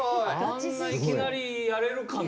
あんないきなりやれるかね。